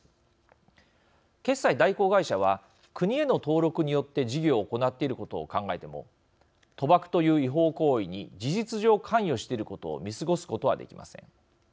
決済代行会社は国への登録によって事業を行っていることを考えても賭博という違法行為に事実上、関与していることを見過ごすことはできません。